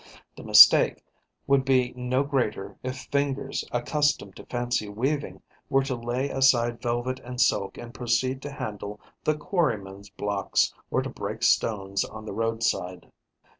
The mistake would be no greater if fingers accustomed to fancy weaving were to lay aside velvet and silk and proceed to handle the quarryman's blocks or to break stones on the roadside.